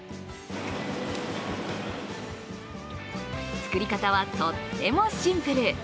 作り方はとってもシンプル。